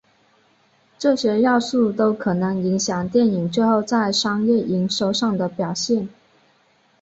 这些要素都可能影响电影最后在商业营收上的表现。